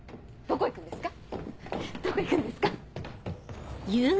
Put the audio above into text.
どこ行くんですか？